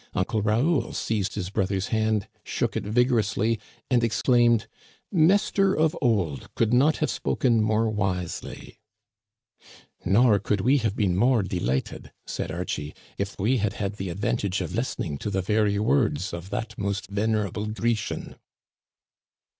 Uncle Raoul seized his brother's hand, shook it vigorously, and exclaimed : Digitized by VjOOQIC LOCHIEL AND BLANCHE. 24 1 " Nestor of old could not have spoken more wisely." " Nor could we have been more delighted," said Archie, " if we had had the advantage of listening to the very words of that most venerable Grecian."